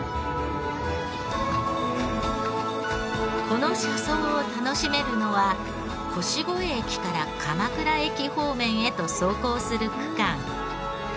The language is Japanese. この車窓を楽しめるのは腰越駅から鎌倉駅方面へと走行する区間。